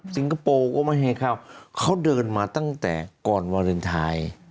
คโปร์ก็ไม่ให้เข้าเขาเดินมาตั้งแต่ก่อนวาเลนไทย